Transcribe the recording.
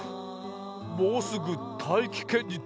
もうすぐたいきけんにとつにゅうだ。